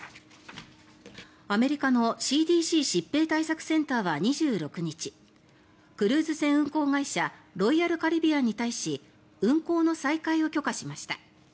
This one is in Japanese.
アメリカのＣＤＣ・疾病対策センターは２６日クルーズ船運航会社ロイヤルカリビアンに対し運航の再開を許可しました。